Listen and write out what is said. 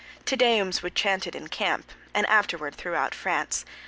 Te Deums were chanted in camp, and afterward throughout France.